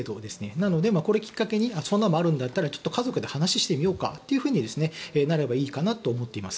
なのでこれをきっかけにそんなのもあるんだったらちょっと家族で話をしてみようかとなればいいかなと思っています。